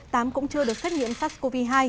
tám cũng chưa được xét nghiệm sars cov hai